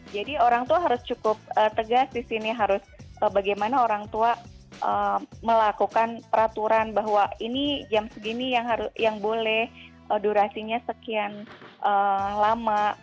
jadi orang tua harus cukup tegas di sini harus bagaimana orang tua melakukan peraturan bahwa ini jam segini yang boleh durasinya sekian lama